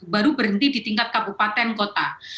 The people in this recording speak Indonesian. baru berhenti di tingkat kabupaten kota